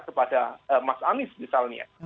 kepada mas anies misalnya